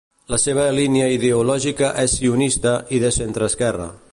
La seva línia ideològica és sionista i de centreesquerra.